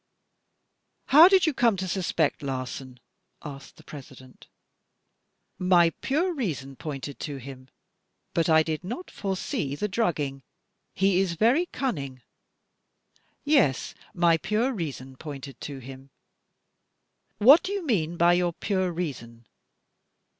"How did you come to suspect Larsan?" asked the President. " My pure reason pointed to him. But I did not foresee the drug ging. He is very ctmning. Yes, my pure reason pointed to him." "What do you mean by your pure reason?"